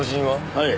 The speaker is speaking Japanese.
はい。